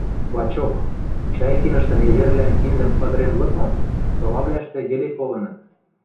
Лачок, Чайкинышты незервлӓн киндӹм ыдырен лыкмым солавлӓштӹ йӹле колыныт.